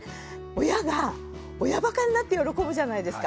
親が親バカになって喜ぶじゃないですか。